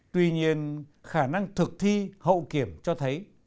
tuy nhiên khả năng thực thi hậu kiểm cho thấy